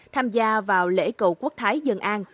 tham gia vào lễ cầu quốc thái dân an